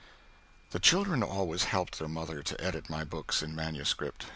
The children always helped their mother to edit my books in manuscript.